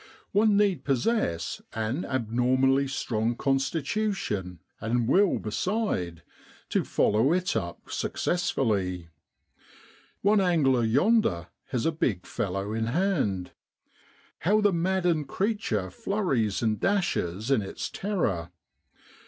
One need possess an abnormally strong constitution, and will beside, to follow it up successfully. One angler yonder has a big fellow in hand. How the maddened creature flurries and dashes in his terror.